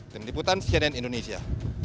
tim liputan cnn indonesia